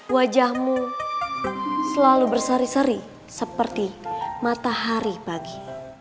wajahmu selalu bersari seri seperti matahari pagi